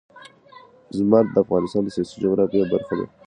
زمرد د افغانستان د سیاسي جغرافیه برخه ده.